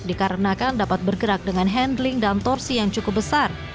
dikarenakan dapat bergerak dengan handling dan torsi yang cukup besar